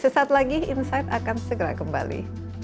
sesaat lagi insight akan segera kembali